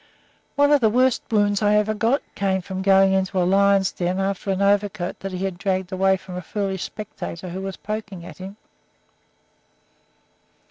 One of the worst wounds I ever got came from going into a lion's den after an overcoat that he had dragged away from a foolish spectator who was poking it at him."